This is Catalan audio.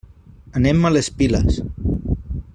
Anem a les Piles.